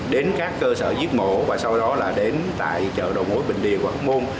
đến các cơ sở giết mổ và sau đó là đến tại chợ đầu mối bình điền học môn